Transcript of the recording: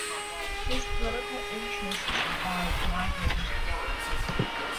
His political interests are wide-ranging.